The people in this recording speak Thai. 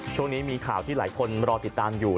ช่วงนี้มีข่าวที่หลายคนรอติดตามอยู่